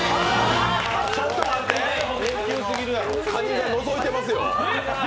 かにがのぞいてますよ。